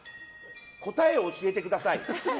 答えを教えてください。